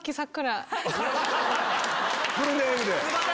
フルネームで。